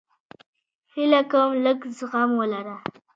هیله کوم لږ زغم ولره